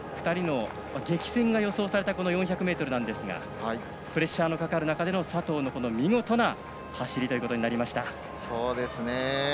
それだけ、２人の激戦が予想された４００ｍなんですがプレッシャーのかかる中で佐藤の見事な走りということになりました。